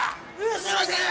すいません！